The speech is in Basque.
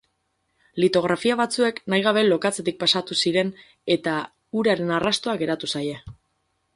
Litografia batzuek nahi gabe lokatzetik pasatu ziren eta uraren arrastoa geratu zaie.